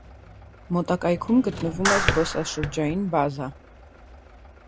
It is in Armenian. Մոտակայքում գտնվում է զբոսաշրջային բազա։